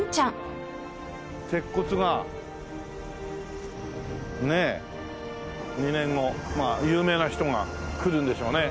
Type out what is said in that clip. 鉄骨がねえ。２年後有名な人が来るんでしょうね。